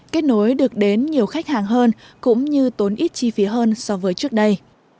kết nối được đến nhiều khách hàng hơn cũng như tốn ít chi phí hơn so với trước đây